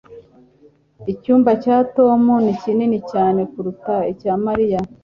Icyumba cya Tom ni kinini cyane kuruta icya Mariya